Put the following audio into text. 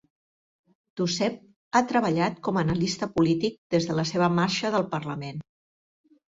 Duceppe ha treballat com a analista polític des de la seva marxa del parlament.